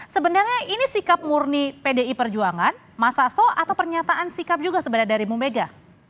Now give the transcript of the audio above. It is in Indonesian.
sebenarnya ini sikap murni pdi perjuangan mas hasto atau pernyataan sikap juga sebenarnya dari bumega